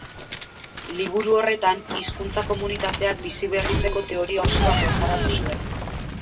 Liburu horretan, hizkuntza komunitateak biziberritzeko teoria oso bat plazaratu zuen.